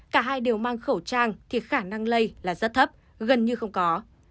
cả hai đều mang khẩu trang thì khả năng lây là rất thấp gần như không có